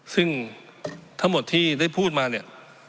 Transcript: ซึ่งทั้งหมดที่ได้พูดมาเนี่ย